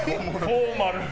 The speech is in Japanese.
フォーマル！